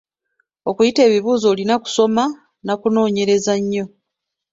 Okuyita ebibuuzo olina kusoma n’akunoonyereza nnyo.